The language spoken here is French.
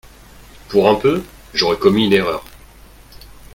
Pour un peu, j'aurais commis une erreur.